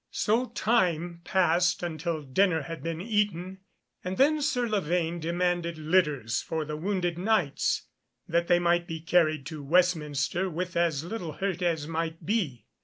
So time passed until dinner had been eaten, and then Sir Lavaine demanded litters for the wounded Knights, that they might be carried to Westminster with as little hurt as might be.